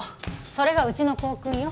それがうちの校訓よ。